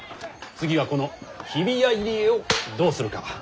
次はこの日比谷入り江をどうするか。